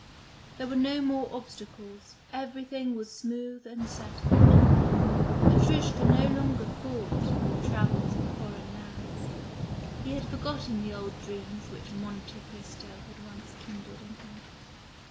There were no more obstacles, everything was smooth and settled. Petrushka no longer thought of travels in foreign lands; he had forgotten the old dreams which "Monte Cristo" had once kindled in him.